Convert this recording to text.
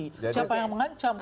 siapa yang mengancam